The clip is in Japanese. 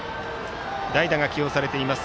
代打が起用されています。